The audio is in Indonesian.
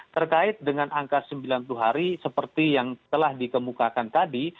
terkait dengan angka sembilan puluh hari seperti yang telah dikemukakan tadi